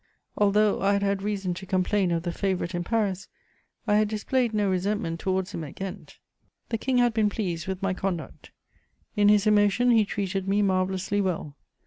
Although I had had reason to complain of the favourite in Paris, I had displayed no resentment towards him at Ghent. The King had been pleased with my conduct; in his emotion he treated me marvellously well.